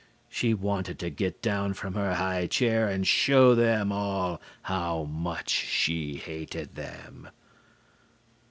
She wanted to get down from her high chair and show them all how much she hated them.